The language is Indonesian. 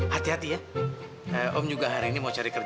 kayaknya aku udah lewat tidur